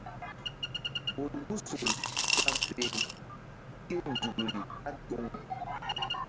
Bolkusol ɓa fe kénzukri ɓá toŋ.